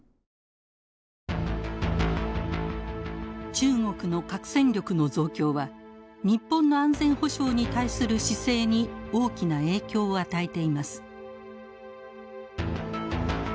中国の核戦力の増強は日本の安全保障に対する姿勢に大きな影響を与えています。